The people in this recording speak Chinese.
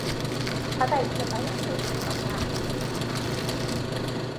他在一个白人社区里长大。